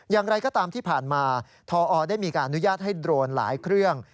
อย่างไรก็ตามที่ผ่านมาทอได้มีการอนุญาตให้โดรนหลายเครื่อง